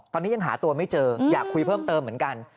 ตอนนี้ยังหาตัวไม่เจออยากคุยเพิ่มเติมเหมือนกัน